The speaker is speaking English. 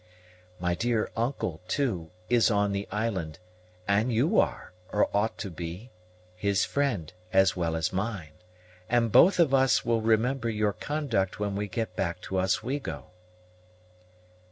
My dear uncle, too, is on the island, and you are, or ought to be, his friend as well as mine; and both of us will remember your conduct when we get back to Oswego."